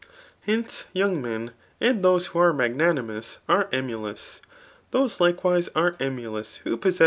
Hence, young men, and those who.are magnanimous are emulous^ Tliose likewise are emulous^wbo* pdsoe^